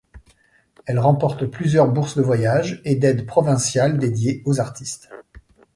Elle remporte plusieurs bourses de voyage et d’aide provinciale dédiées aux artistes.